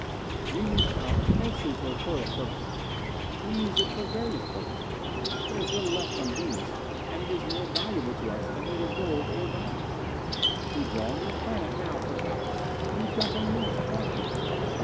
"You use talc mostly for toilet purposes. We use it for various purposes. There is little left on Venus, and it is more valuable to us than either gold or diamonds. We draw on your planet now for talc. You dump immense quantities.